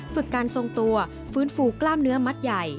ฝึกการทรงตัวฟื้นฟูกล้ามเนื้อมัดใหญ่